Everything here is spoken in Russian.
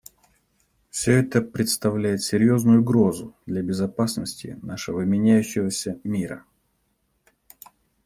Все это представляет серьезную угрозу для безопасности нашего меняющегося мира.